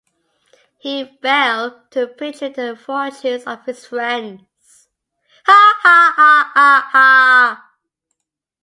He fell to picturing the fortunes of his friends.